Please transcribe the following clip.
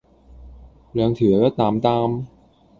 兩條友一擔擔